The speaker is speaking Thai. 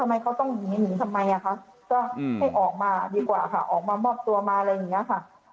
ทำไมเขาต้องหนีหนีทำไมอ่ะคะก็ให้ออกมาดีกว่าค่ะออกมามอบตัวมาอะไรอย่างนี้ค่ะ